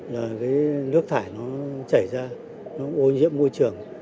là cái nước thải nó chảy ra nó ô nhiễm môi trường